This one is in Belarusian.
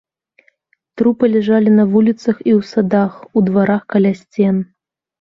Трупы ляжалі на вуліцах і ў садах, у дварах каля сцен.